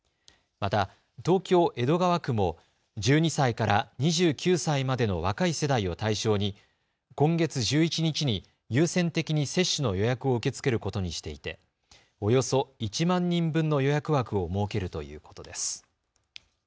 また東京江戸川区も１２歳から２９歳までの若い世代を対象に今月１１日に優先的に接種の予約を受け付けることにしていておよそ１万人分の予約枠を設けるということです。